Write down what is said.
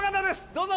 どうぞ！